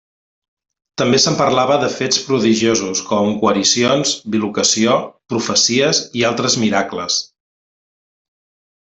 També se'n parlava de fets prodigiosos com guaricions, bilocació, profecies i altres miracles.